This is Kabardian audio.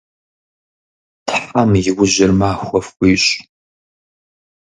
Тхьэм и ужьыр махуэ фхуищӏ.